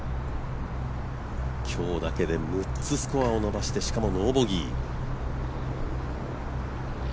今日だけで６つスコアを伸ばしてしかもノーボギー。